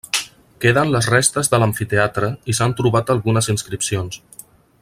Queden les restes de l'amfiteatre i s'han trobat algunes inscripcions.